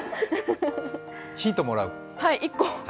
ヒントもらう？